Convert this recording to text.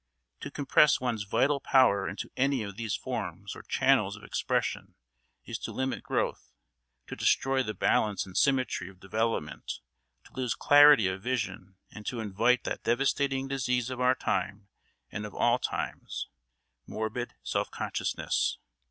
To compress one's vital power into any one of these forms or channels of expression is to limit growth, to destroy the balance and symmetry of development, to lose clarity of vision, and to invite that devastating disease of our time and of all times, morbid self consciousness.